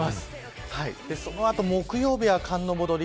そのあと木曜日は寒の戻り。